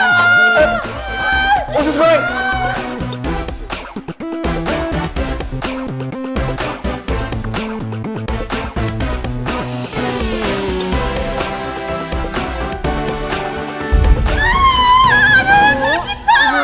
aaaaah aduh sakit banget